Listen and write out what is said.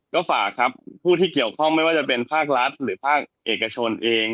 ก็ฝากครับผู้ที่เกี่ยวข้องไม่ว่าจะเป็นภาครัฐหรือภาคเอกชนเอง